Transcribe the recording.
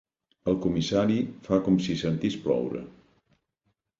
El comissari fa com si sentís ploure.